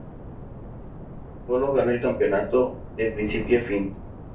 Colo-Colo ganó el campeonato de principio a fin.